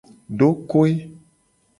Dokoe.